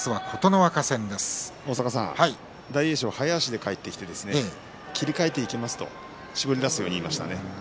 大栄翔、早足で帰ってきて切り替えていきますと絞り出すように言いました。